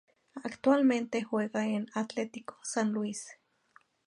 Actualmente juega en Atletico San Luis.